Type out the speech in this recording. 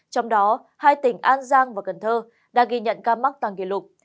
trong đó hai tỉnh an giang và cần thơ đã ghi nhận ca mắc tăng kỷ lục